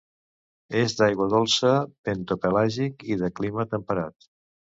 És d'aigua dolça, bentopelàgic i de clima temperat.